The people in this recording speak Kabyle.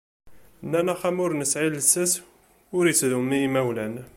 Nnan axxam ur nesεi llsas, ur ittdumu i yimawlan.